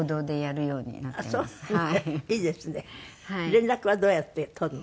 連絡はどうやって取るの？